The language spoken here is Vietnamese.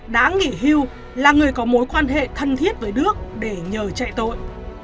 đã nghỉ hưu là người có mối quan hệ thân thiết với đức để nhờ chạy tội